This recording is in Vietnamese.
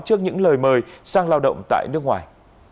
trước những lời mời sang lao động tại nước ngoài